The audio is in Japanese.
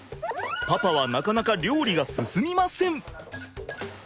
パパはなかなか料理が進みません。